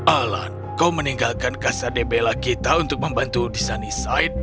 alan kau meninggalkan kasar debela kita untuk membantu di sunnyside